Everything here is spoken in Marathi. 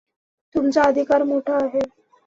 तुमचा अधिकार मोठा आहे.